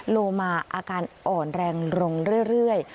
โลมาอาการอ่อนแรงลงเรื่อย